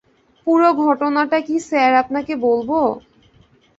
পুরো ঘটনাটা কি স্যার আপনাকে বলব?